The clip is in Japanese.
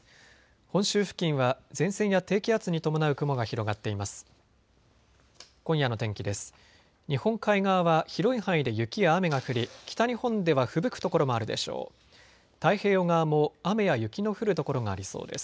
本州付近は前線や低気圧に伴う雲が広がっています。